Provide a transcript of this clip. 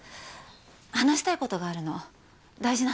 話したいことがあるの大事な話。